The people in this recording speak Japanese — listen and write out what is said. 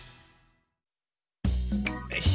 よし。